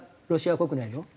ロシア国内の。